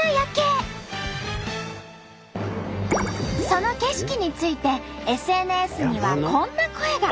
その景色についてＳＮＳにはこんな声が。